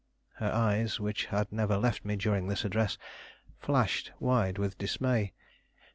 Her eyes, which had never left me during this address, flashed wide with dismay.